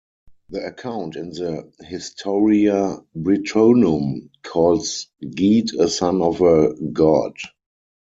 The account in the "Historia Britonum" calls Geat a son of a god.